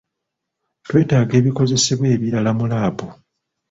Twetaaga ebikozesebwa ebirala mu laabu.